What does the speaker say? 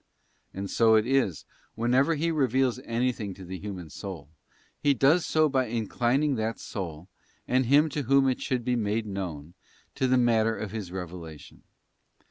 And so it is, whenever He reveals anything to the human soul, He does so by inclining that soul, and him to whom it should be made known, to the matter of His revelation.